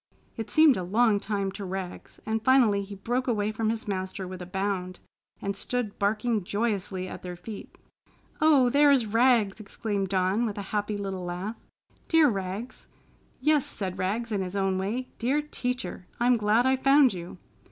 It seemed a long time to Rags, and finally he broke away from his master with a bound and stood barking joyously at their feet. "Oh, there is Rags!" exclaimed Dawn, with a happy little laugh. "Dear Rags!" "Yes!" said Rags in his own way. "Dear Teacher! I'm glad I found you!"